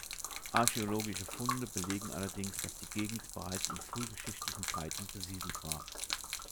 Archäologische Funde belegen allerdings, dass die Gegend bereits in frühgeschichtlichen Zeiten besiedelt war.